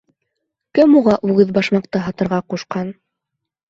Кем уға үгеҙ башмаҡты һатырға ҡушҡан?